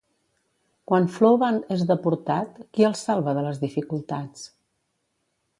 Quan Floovant és deportat, qui el salva de les dificultats?